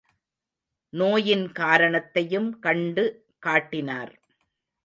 நோயின் காரணத்தையும் கண்டு காட்டினார்.